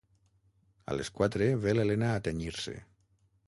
A les quatre ve l'Elena a tenyir-se.